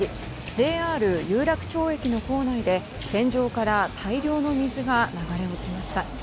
ＪＲ有楽町駅の構内で天井から大量の水が流れ落ちました。